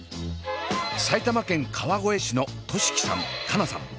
埼玉県川越市の寿輝さん佳奈さん